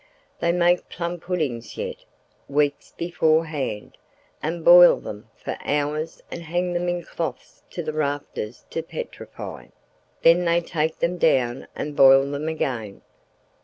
They make plum puddings yet, weeks beforehand, and boil them for hours and hang them in cloths to the rafters to petrify; then they take them down and boil them again.